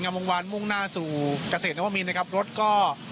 วงวานมุ่งหน้าสู่เกษตรนวมินนะครับรถก็